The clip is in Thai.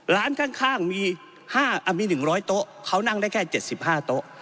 ร้านข้างมี๑๐๐โต๊ะเขานั่งได้แค่๗๕โต๊ะ